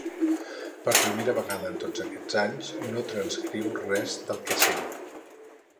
Per primera vegada en tots aquests anys no transcriu res del que sent.